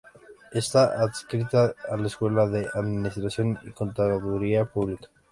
Está adscrita a la Escuela de Administración y Contaduría Pública.